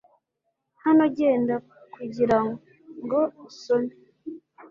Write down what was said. Hano genda kugirango usome